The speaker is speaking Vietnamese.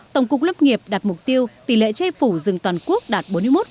tổng cục lâm nghiệp đạt mục tiêu tỷ lệ chay phủ rừng toàn quốc đạt bốn mươi một tám mươi năm